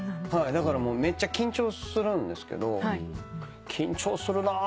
だからめっちゃ緊張するんですけど緊張するなと思ってやります。